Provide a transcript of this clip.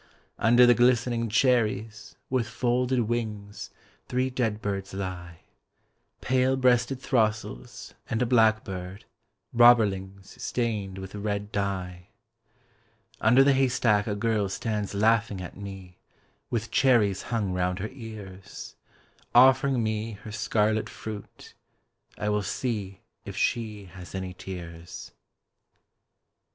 Under the glistening cherries, with folded wings Three dead birds lie: Pale breasted throstles and a blackbird, robberlings Stained with red dye. Under the haystack a girl stands laughing at me, With cherries hung round her ears Offering me her scarlet fruit: I will see If she has any tears.